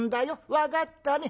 分かったね。